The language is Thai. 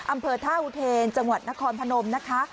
อำเภอท่าอุเทนจังหวัดนครพนมนะคะ